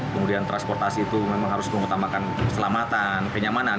kemudian transportasi itu memang harus mengutamakan keselamatan kenyamanan